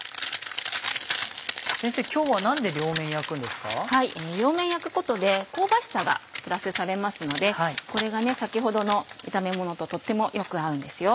両面焼くことで香ばしさがプラスされますのでこれが先ほどの炒めものととってもよく合うんですよ。